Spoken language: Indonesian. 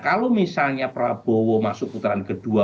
kalau misalnya prabowo masuk putaran kedua